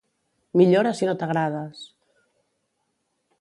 Millora si no t'agrades!